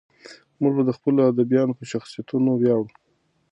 موږ د خپلو ادیبانو په شخصیتونو ویاړو.